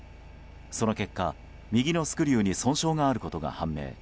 その結果、スクリューの右側に損傷があることが判明。